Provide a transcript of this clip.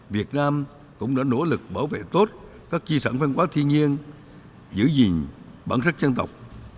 việt nam cũng đã nỗ lực bảo vệ tốt các di sản văn hóa thiên nhiên giữ gìn bản sắc dân tộc